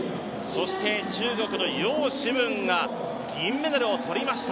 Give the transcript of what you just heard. そして中国の葉詩文が銀メダルを取りました。